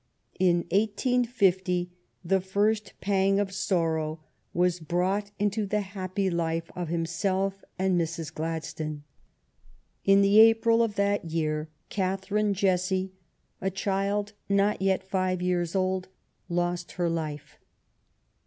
In 1850 the first pang of sorrow was brought into the happy life of himself and Mrs. Gladstone. In the April of that year Catherine Jessie, a child not yet five years old, lost her life.